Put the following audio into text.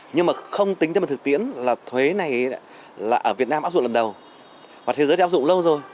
nhưng mà không tính tới một thực tiễn là thuế này là ở việt nam áp dụng lần đầu và thế giới đã áp dụng lâu rồi